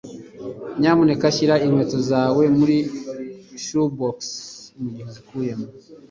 nyamuneka shyira inkweto zawe muri shoebox mugihe uzikuyemo